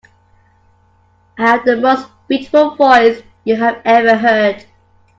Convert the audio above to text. I have the most beautiful voice you have ever heard.